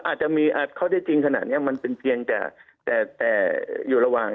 อาจจะมีข้อได้จริงขนาดนี้มันเป็นเพียงแต่แต่อยู่ระหว่าง